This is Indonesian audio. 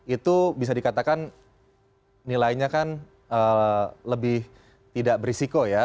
itu bisa dikatakan nilainya kan lebih tidak berisiko ya